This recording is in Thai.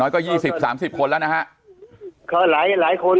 น้อยก็ยี่สิบสามสิบคนแล้วน่ะฮะเขาหลายหลายคน